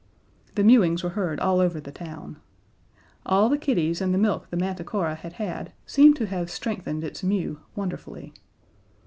The mewings were heard all over the town. All the kitties and the milk the Manticora had had seemed to have strengthened its mew wonderfully.